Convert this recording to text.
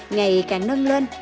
ngày càng nâng lên